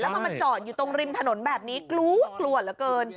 มันมาจอดอยู่ตรงริมถนนแบบนี้กลัวกลัวเหลือเกิน